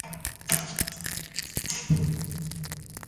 دوی خوب نلري او استراحت نه کوي